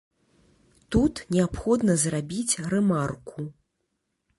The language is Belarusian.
Тут неабходна зрабіць рэмарку.